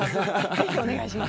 是非お願いします。